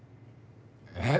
えっ？